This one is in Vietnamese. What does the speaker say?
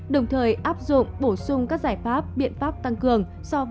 đồng thời áp dụng bổ sung các giải pháp biện pháp tăng cường